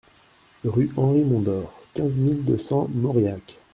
Rue Henri Mondor, quinze mille deux cents Mauriac